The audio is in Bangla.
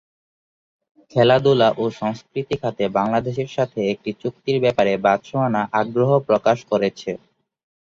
খেলাধুলা ও সংস্কৃতি খাতে বাংলাদেশের সাথে একটি চুক্তির ব্যাপারে বতসোয়ানা আগ্রহ প্রকাশ করেছে।